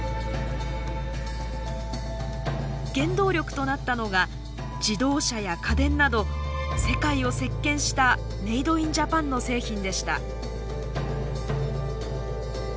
原動力となったのが自動車や家電など世界を席巻したメイド・イン・ジャパンの製品でした。